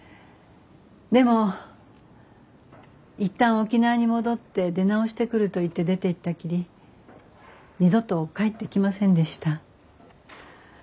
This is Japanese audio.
でも一旦沖縄に戻って出直してくると言って出ていったきり二度と帰ってきませんでした。